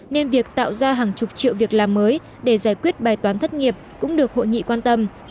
nên việc tạo ra hàng chục triệu việc làm mới để giải quyết bài toán thất nghiệp cũng được hội nghị quan tâm